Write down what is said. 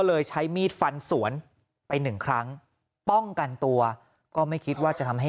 เลยใช้มีดฟันสวนไปหนึ่งครั้งป้องกันตัวก็ไม่คิดว่าจะทำให้